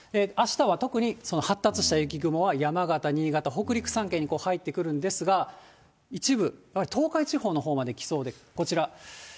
あしたは特に、その発達した雪雲は、山形、新潟、北陸３県に入ってくるんですが、一部、東海地方のほうまで来そうで、こちら。